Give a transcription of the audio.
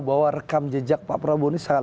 bahwa rekam jejak pak prabowo ini sangat